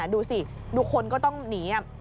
ดูสิดูคนก็ต้องหนี